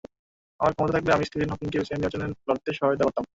আমার ক্ষমতা থাকলে আমি স্টিফেন হকিংকে প্রেসিডেন্ট নির্বাচনে লড়তে সহায়তা করতাম।